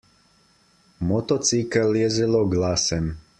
Motocikel je zelo glasen.